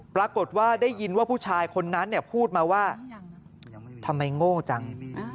ปรากฏว่าได้ยินว่าผู้ชายคนนั้นพูดมาว่าทำไมโง่จัง